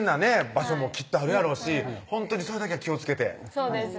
場所もきっとあるやろうしほんとにそれだけは気をつけてそうですね